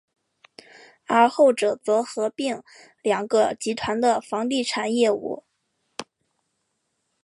而后者则合并两个集团的房地产业务。